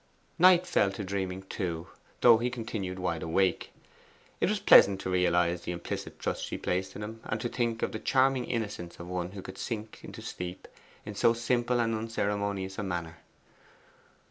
Knight fell to dreaming too, though he continued wide awake. It was pleasant to realize the implicit trust she placed in him, and to think of the charming innocence of one who could sink to sleep in so simple and unceremonious a manner.